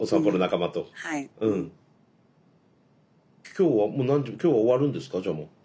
今日はもう何時今日は終わるんですかじゃあもう。